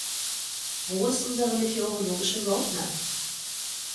Wo ist unsere meteorologische Road Map?